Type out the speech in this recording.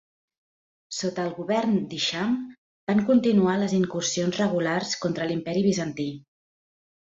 Sota el govern d'Hisham, van continuar les incursions regulars contra l'Imperi Bizantí.